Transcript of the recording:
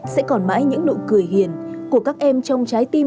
sẽ còn mãi những nụ cười hiền của các em trong trái tim